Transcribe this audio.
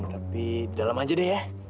tapi di dalam aja deh ya